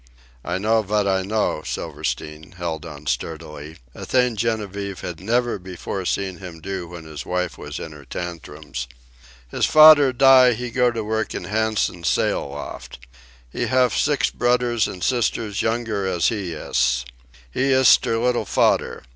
"I know vat I know," Silverstein held on sturdily a thing Genevieve had never before seen him do when his wife was in her tantrums. "His fader die, he go to work in Hansen's sail loft. He haf six brudders an' sisters younger as he iss. He iss der liddle fader.